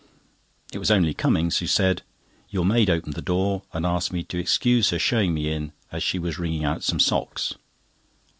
It was only Cummings, who said, "Your maid opened the door, and asked me to excuse her showing me in, as she was wringing out some socks."